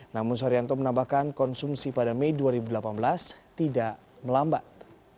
namun suharyanto menambahkan konsumsi pada mei dua ribu delapan belas tidak melambat